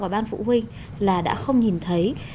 vào ban phụ huynh là đã không nhìn thấy